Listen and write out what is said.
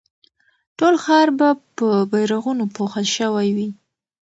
ټول ښار به په بيرغونو پوښل شوی وي.